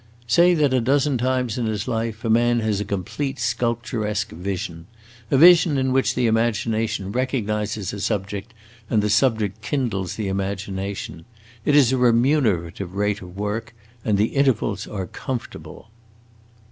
Say that a dozen times in his life a man has a complete sculpturesque vision a vision in which the imagination recognizes a subject and the subject kindles the imagination. It is a remunerative rate of work, and the intervals are comfortable!"